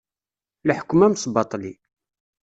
Leḥkem amesbaṭli.